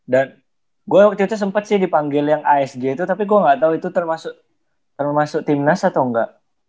dan gue waktu itu sempet sih dipanggil yang asg itu tapi gue gak tau itu termasuk timnas atau engga